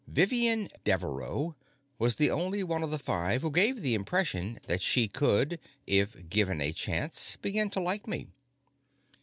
Vivian Devereaux was the only one of the five who gave the impression that she could, if given a chance, begin to like me.